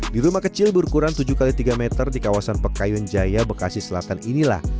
di rumah kecil berukuran tujuh x tiga meter di kawasan pekayun jaya bekasi selatan inilah